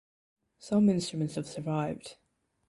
Some instruments have survived.